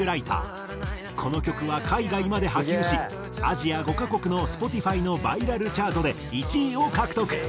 この曲は海外まで波及しアジア５カ国のＳｐｏｔｉｆｙのバイラルチャートで１位を獲得。